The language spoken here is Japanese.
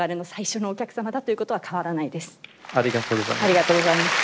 ありがとうございます。